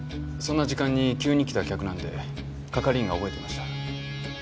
そんな時間に急に来た客なんで係員が覚えてました。